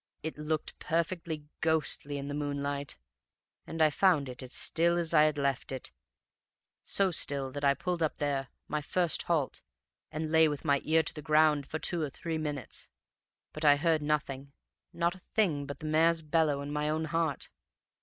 It looked perfectly ghostly in the moonlight. And I found it as still as I had left it so still that I pulled up there, my first halt, and lay with my ear to the ground for two or three minutes. But I heard nothing not a thing but the mare's bellow and my own heart.